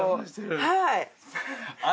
はい。